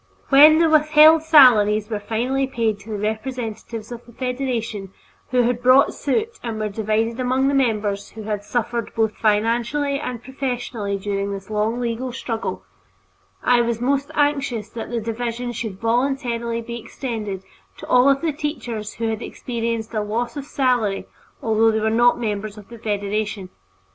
When the withheld salaries were finally paid to the representatives of the Federation who had brought suit and were divided among the members who had suffered both financially and professionally during this long legal struggle, I was most anxious that the division should voluntarily be extended to all of the teachers who had experienced a loss of salary although they were not members of the Federation.